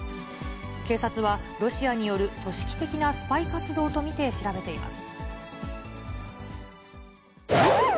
警察は、ロシアによる組織的なスパイ活動と見て調べています。